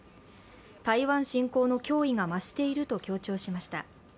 台湾侵攻の脅威が増していると強調しました。